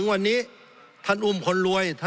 สงบจนจะตายหมดแล้วครับ